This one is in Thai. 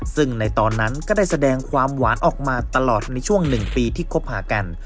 ซึ่งในตอนนั้นก็ได้แสดงความหวานออกมาตลอดในช่วง๑ปีที่คบหากัน